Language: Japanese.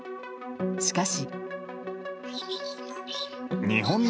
しかし。